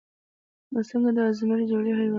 نو څنګه د ازمري جبلي حېوانيت